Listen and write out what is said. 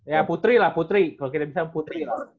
ya putri lah putri kalau kita bisa putri lah